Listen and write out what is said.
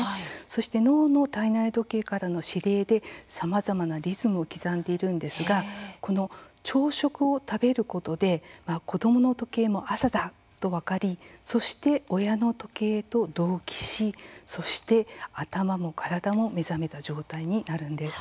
そして脳の体内時計からの司令でさまざまなリズムを刻んでいるんですがこの朝食を食べることで子どもの時計も朝だ！と分かりそして親の時計と同期しそして頭も体も目覚めた状態になるんです。